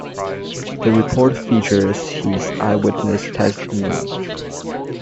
The report features his eyewitness testimony.